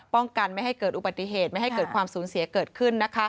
ป้องกันไม่ให้เกิดอุบัติเหตุไม่ให้เกิดความสูญเสียเกิดขึ้นนะคะ